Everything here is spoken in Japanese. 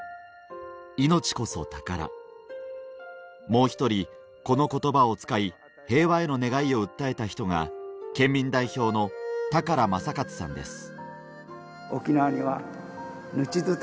もう一人この言葉を使い平和への願いを訴えた人が県民代表の良政勝さんです